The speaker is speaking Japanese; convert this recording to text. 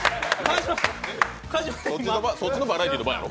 そっちのバラエティーの番やろ。